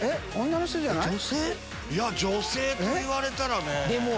女性と言われたらね。